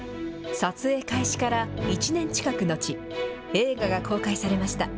撮影開始から１年近くのち、映画が公開されました。